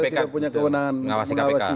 tidak punya kewenangan mengawasi